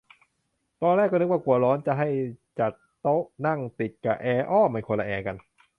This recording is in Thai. ตอนแรกก็นึกว่ากลัวร้อน จะให้จัดโต๊ะนั่งติดกะแอร์ อ้อ มันคนละแอร์กัน